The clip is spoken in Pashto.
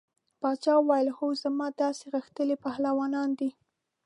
باچا وویل هو زما داسې غښتلي پهلوانان دي.